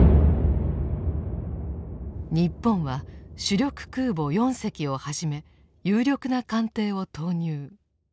日本は主力空母４隻をはじめ有力な艦艇を投入。